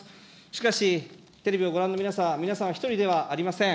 しかし、テレビをご覧の皆さん、皆さんはひとりではありません。